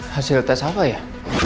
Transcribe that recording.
hasil tes apa ya